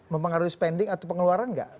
mempengaruhi spending atau pengeluaran nggak